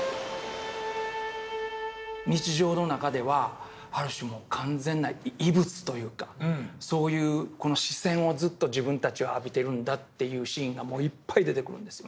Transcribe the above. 日常の中ではある種もう完全な異物というかそういう視線をずっと自分たちは浴びてるんだというシーンがもういっぱい出てくるんですよね。